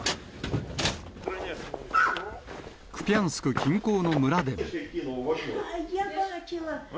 クピャンスク近郊の村でも。